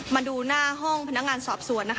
มาดูหน้าห้องพนักงานสอบสวนนะคะ